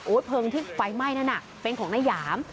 เพลิงที่ไฟไหม้นั่นน่ะเป็นของนายหยาม